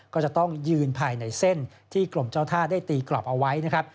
ก็จะต้องยืนภายในเส้นที่กรมเจ้าท่าได้ตีกรอบเอาไว้นะครับ